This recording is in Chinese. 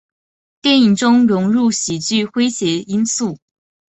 电影中融入喜剧诙谐因素。